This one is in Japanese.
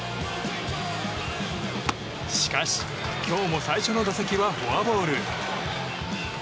しかし、今日も最初の打席はフォアボール。